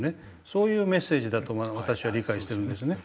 そういうメッセージだと私は理解してるんですね。